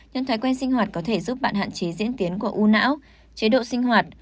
những thói quen sinh hoạt có thể giúp bạn hạn chế diễn tiến của u não chế độ sinh hoạt